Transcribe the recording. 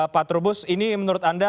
pak trubus ini menurut anda